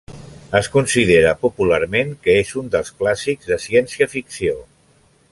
Es considera popularment que és un dels clàssics de ciència-ficció.